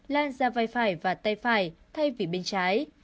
lan ra vai phải và tay phải thay vì bên trái